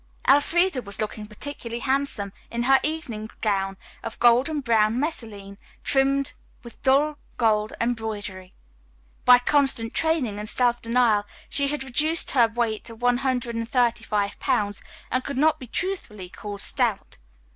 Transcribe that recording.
Elfreda was looking particularly handsome in her evening gown of golden brown messaline, trimmed with dull gold embroidery. By constant training and self denial she had reduced her weight to one hundred and thirty five pounds and could not be truthfully called stout.